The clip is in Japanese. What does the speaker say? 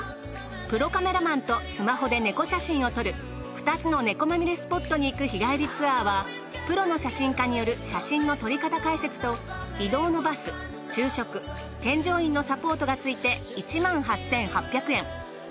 プロカメラマンとスマホでネコ写真を撮る２つのネコまみれスポットに行く日帰りツアーはプロの写真家による写真の撮り方解説と移動のバス昼食添乗員のサポートがついて１８，８００円。